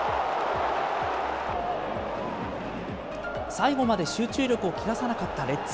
最後まで集中力を切らさなかったレッズ。